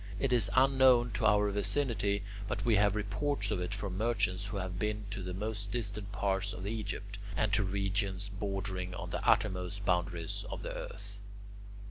It is unknown to our vicinity; but we have reports of it from merchants who have been to the most distant part of Egypt, and to regions bordering on the uttermost boundaries of the earth.